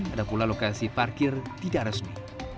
ada pula lokasi parkir tidak resmi